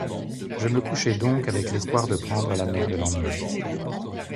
Je me couchai donc avec l’espoir de prendre la mer le lendemain.